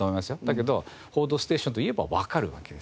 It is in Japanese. だけど『報道ステーション』と言えばわかるわけですよね。